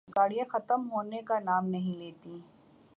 گاڑیاں ختم ہونے کا نام نہیں لیتیں۔